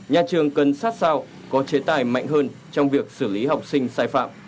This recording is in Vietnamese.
nhà trường cần sát sao có chế tài mạnh hơn trong việc xử lý học sinh sai phạm